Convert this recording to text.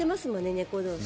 猫同士。